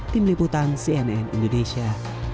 tim liputan cnn indonesia